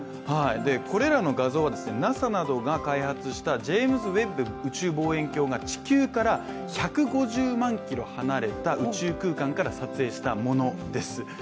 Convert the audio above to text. これらの画像は、ＮＡＳＡなどが開発したジェームズ・ウェッブ宇宙望遠鏡が地球から１５０万キロ離れた宇宙空間から撮影したものです。